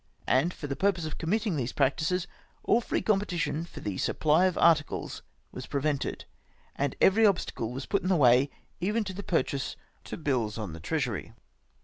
And, for the purpose of committing these practices, all free competition for the supply of articles was prevented ; and every obstacle was put in the way, even of the purchase of bills on the Treasury.